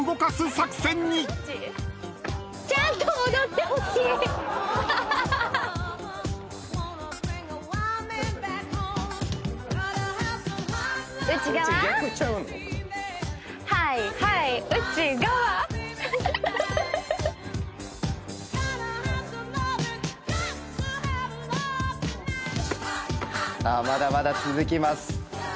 さあまだまだ続きます。